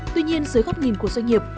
tuy nhiên dưới góc nhìn của doanh nghiệp